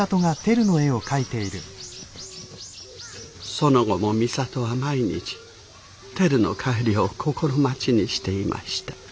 その後も美里は毎日テルの帰りを心待ちにしていました。